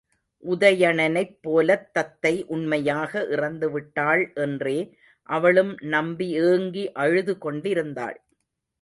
உதயணனைப் போலத் தத்தை உண்மையாக இறந்துவிட்டாள் என்றே அவளும் நம்பி ஏங்கி அழுது கொண்டிருந்தாள்.